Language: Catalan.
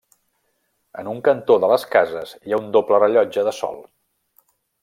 En un cantó de les cases hi ha un doble rellotge de sol.